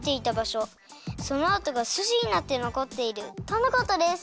そのあとがすじになってのこっているとのことです！